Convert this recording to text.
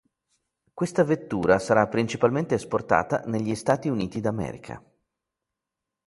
Questa vettura sarà principalmente esportata negli Stati Uniti d'America.